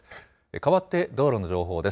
変わって、道路の情報です。